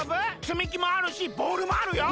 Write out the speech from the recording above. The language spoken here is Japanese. つみきもあるしボールもあるよ！